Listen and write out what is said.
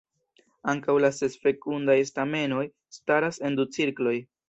Ankaŭ la ses fekundaj stamenoj staras en du cirkloj.